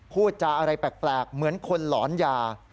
พูดจาอะไรแปลกเหมือนคนหลอนยา